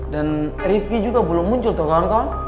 dan rifki juga belum muncul tuh kawan kawan